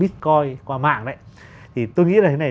thì tôi nghĩ là thế này